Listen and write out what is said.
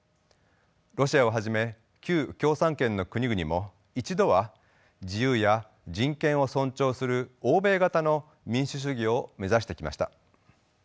ロシアをはじめ旧共産圏の国々も一度は自由や人権を尊重する欧米型の民主主義を目指してきました。